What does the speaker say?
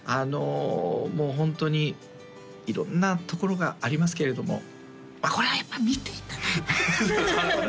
もうホントに色んなところがありますけれどもこれはやっぱり見ていただいてちゃんとね